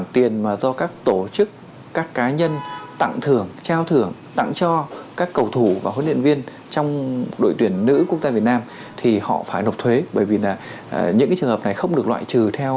tiền thưởng từ các cơ quan đoàn thể nhà nước